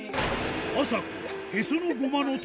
あさこ